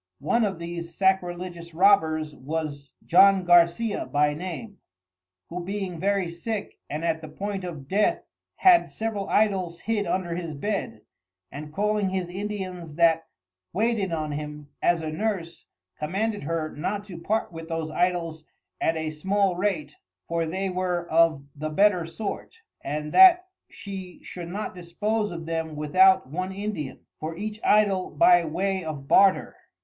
One of these Sacrilegious Robbers was John Garcia by name, who being very sick and at the point of dath, had several Idols hid under his Bed, and calling his Indians that waited on him, as a Nurse, commanded her not to part with those Idols at a small rate for they were of the better sort, and that she should not dispose of them without one Indian, for each Idol by way of Barter.